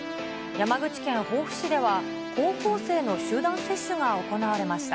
山口県防府市では、高校生の集団接種が行われました。